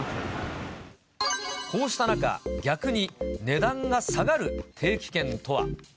こうした中、逆に値段が下がる定期券とは。